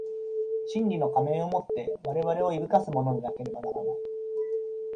真理の仮面を以て我々を誑かすものでなければならない。